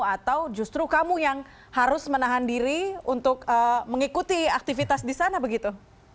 atau justru kamu yang harus menahan diri untuk mengikuti aktivitas di sana begitu